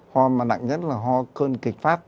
ho mà nặng nhất là ho cơn kịch phát